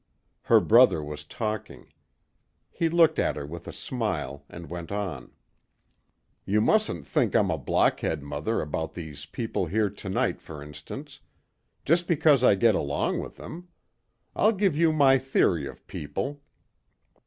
Her brother was talking. He looked at her with a smile and went on. "You mustn't think I'm a blockhead, mother, about these people here tonight, for instance. Just because I get along with them. I'll give you my theory of people.